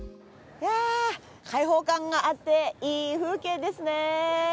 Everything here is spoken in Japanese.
いや開放感があっていい風景ですね。